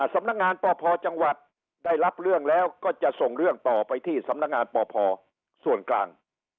สำนักงานปพจังหวัดได้รับเรื่องแล้วก็จะส่งเรื่องต่อไปที่สำนักงานปพส่วนกลาง